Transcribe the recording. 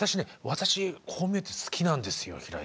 私こう見えて好きなんですよ平井さん。